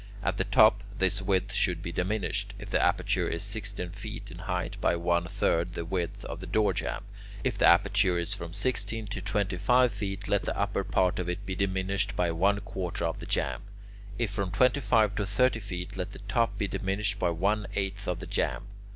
At the top, this width should be diminished, if the aperture is sixteen feet in height, by one third the width of the door jamb; if the aperture is from sixteen to twenty five feet, let the upper part of it be diminished by one quarter of the jamb; if from twenty five to thirty feet, let the top be diminished by one eighth of the jamb.